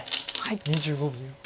２５秒。